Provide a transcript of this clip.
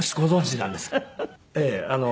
ええ。